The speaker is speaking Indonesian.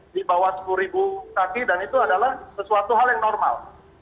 di bawah sepuluh kaki dan itu adalah sesuatu hal yang normal